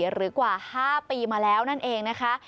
หรือกว่า๕ปีมาแล้วนั่นเองนะคะ